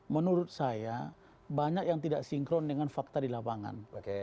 menurut saya banyak yang tidak sinkron dengan fakta di lapangan